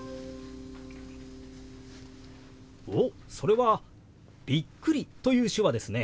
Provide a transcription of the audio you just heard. おっそれは「びっくり」という手話ですね。